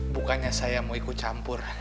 bukannya saya mau ikut campur